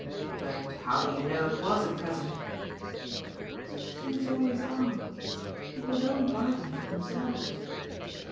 "But how do you know it was a present?" "Such things always are people don't buy them for themselves."